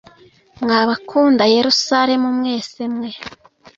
Mwa bakunda Yerusalemu mwese mwe